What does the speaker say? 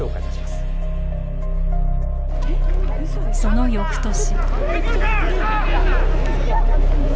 その翌年。